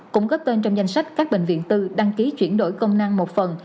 cũng góp tên trong danh sách các bệnh viện tư đăng ký chuyển đổi công năng một phần